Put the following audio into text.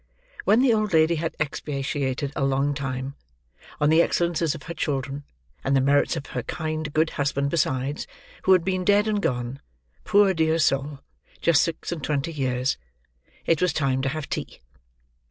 When the old lady had expatiated, a long time, on the excellences of her children, and the merits of her kind good husband besides, who had been dead and gone, poor dear soul! just six and twenty years, it was time to have tea.